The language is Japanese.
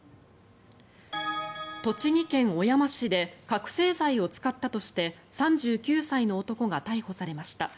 栃木県小山市で覚醒剤を使ったとして３９歳の男が逮捕されました。